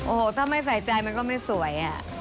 โอ้โหถ้าไม่ใส่ใจมันก็ไม่สวย